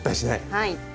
はい。